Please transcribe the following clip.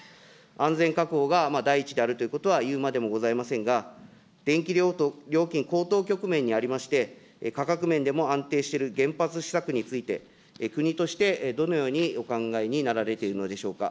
安全確保が第一であるということはいうまでもございませんが、電気料金高騰局面にありまして、価格面でも安定してる原発施策について、国としてどのようにお考えになられているのでしょうか。